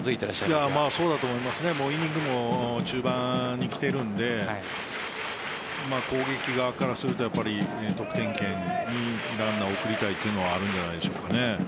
イニングも中盤にきているので攻撃側からすると得点圏にランナーを送りたいというのはあるんじゃないですかね。